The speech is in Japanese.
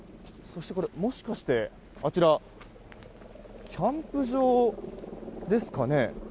そしてこれ、もしかしてあちらキャンプ場ですかね。